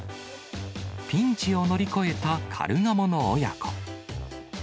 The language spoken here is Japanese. ピンチを乗り越えたカルガモの親子。